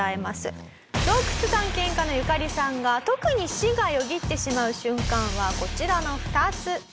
「洞窟探検家のユカリさんが特に死がよぎってしまう瞬間はこちらの２つ」